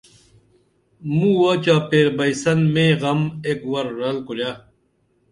مُوہ چاپیر بئیسن مے غم ایک ور رل کُرے